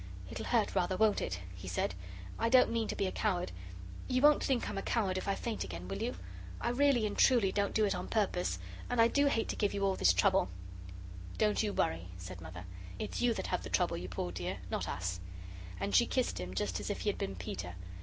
"It'll hurt rather, won't it?" he said. "I don't mean to be a coward. You won't think I'm a coward if I faint again, will you? I really and truly don't do it on purpose. And I do hate to give you all this trouble." "Don't you worry," said Mother; "it's you that have the trouble, you poor dear not us." And she kissed him just as if he had been Peter.